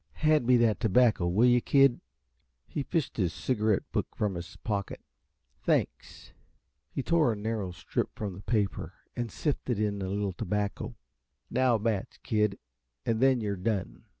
"Hand me the tobacco, will you, kid?" He fished his cigarette book from his pocket. "Thanks!" He tore a narrow strip from the paper and sifted in a little tobacco. "Now a match, kid, and then you're done."